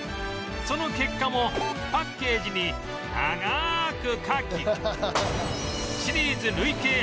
その結果もパッケージに長く書きシリーズ累計販売個数